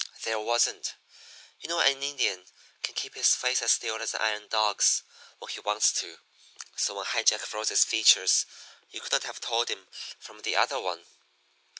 "There wasn't. You know an Indian can keep his face as still as an iron dog's when he wants to, so when High Jack froze his features you couldn't have told him from the other one.